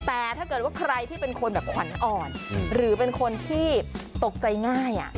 แต่ถ้าเกิดว่าใครที่เป็นคนแบบขวัญอ่อนหรือเป็นคนที่ตกใจง่าย